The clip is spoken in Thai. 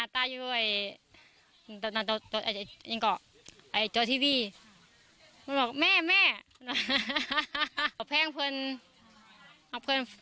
สุวัยทุกวัน